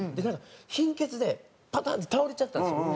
貧血でパタンって倒れちゃったんですよ。